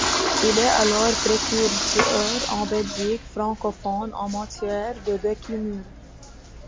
Il est alors précurseur en Belgique francophone en matière de décumul.